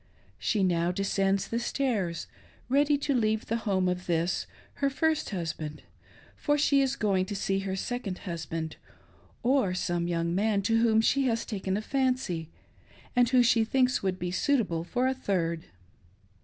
She now descends the stairs, ready to leave the home of this, her first husband, for she is going to see her second husband, or some young man to whom she has taken a fancy, and who she thinks would be suitable for a third.